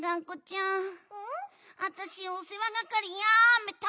わたしおせわがかりやめた。